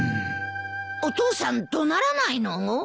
お父さん怒鳴らないの？